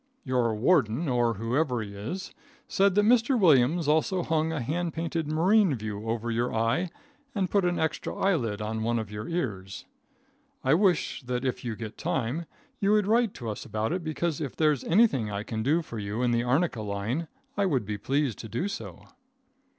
Your warden, or whoever he is, said that Mr. Williams also hung a hand painted marine view over your eye and put an extra eyelid on one of your ears. I wish that, if you get time, you would write us about it, because, if there's anything I can do for you in the arnica line, I would be pleased to do so.